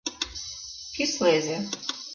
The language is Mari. Кӱслезе.